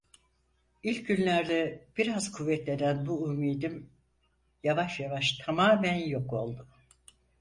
İlk günlerde biraz kuvvetlenen bu ümidim, yavaş yavaş tamamen yok oldu.